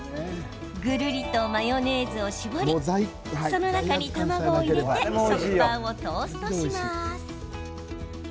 ぐるりとマヨネーズを絞りその中に卵を入れて食パンをトーストします。